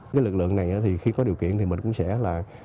cái lực lượng này thì khi có điều kiện thì mình cũng sẽ là